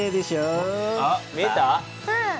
うん。